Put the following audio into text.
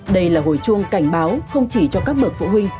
đây là hồi chuông cảnh báo không chỉ cho các bậc phụ huynh